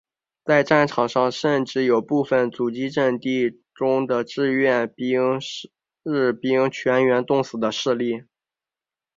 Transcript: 在战场上甚至有部分阻击阵地中的志愿兵士兵全员冻死的事例。